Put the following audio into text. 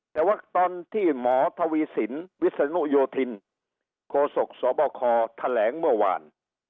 แต่ว่าตอนที่หมอทวีสินวิศนุโยธินโคศกสบคแถลงเมื่อวาน